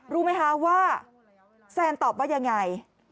รู้ไหมคะว่าแซนตอบว่ายังไง